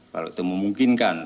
kalau itu memungkinkan